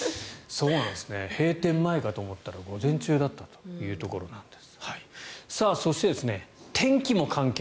そうなんですね閉店前かと思ったら午前中だったというところです。